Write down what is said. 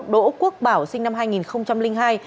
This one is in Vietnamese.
đỗ quốc bảo sinh năm hai nghìn hai